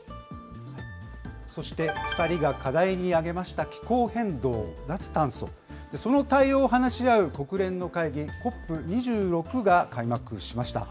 そして、２人が課題に挙げました、気候変動、脱炭素、その対応を話し合う国連の会議、ＣＯＰ２６が開幕しました。